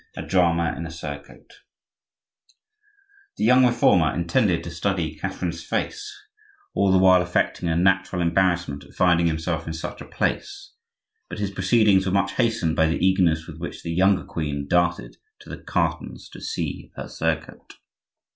A DRAMA IN A SURCOAT The young reformer intended to study Catherine's face, all the while affecting a natural embarrassment at finding himself in such a place; but his proceedings were much hastened by the eagerness with which the younger queen darted to the cartons to see her surcoat.